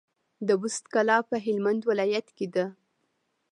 د بُست کلا په هلمند ولايت کي ده